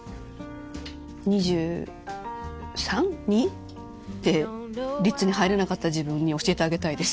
２３歳２２歳でリッツに入れなかった自分に教えてあげたいです。